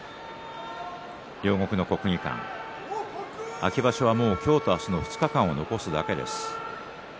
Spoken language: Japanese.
両国の国技館、秋場所は今日と明日の２日間を残すだけです。